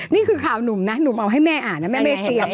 นี่คือข่าวหนุ่มนะหนุ่มเอาให้แม่อ่านนะแม่ไม่เสีย